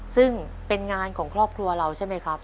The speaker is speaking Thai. ซึ่งเป็นงานของครอบครัวเราใช่ไหมครับ